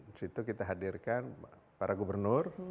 disitu kita hadirkan para gubernur